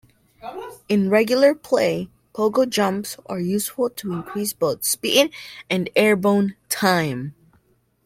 In regular play, pogo jumps are useful to increase both speed and airborne time.